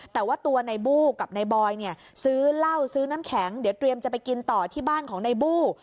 แต่ว่าตัวในบู้กับนายบอยเนี่ยซื้อเหล้าซื้อน้ำแข็งเดี๋ยวเตรียมจะไปกินต่อที่บ้านของในบู้